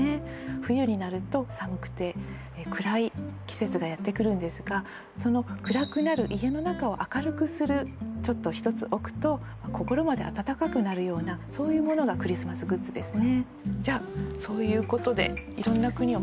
冬になると寒くて暗い季節がやってくるんですがその暗くなる家の中を明るくするちょっと１つ置くと心まで温かくなるようなそういうものがクリスマスグッズですね